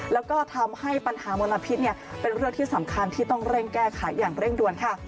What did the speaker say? แล้วก็ทำให้ปัญหามลพิษเป็นเรื่องที่สำคัญที่ต้องเร่งแก้ไขอย่างเร่งด่วนค่ะ